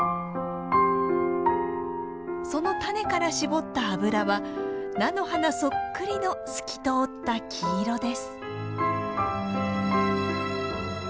そのタネから搾った油は菜の花そっくりの透き通った黄色です。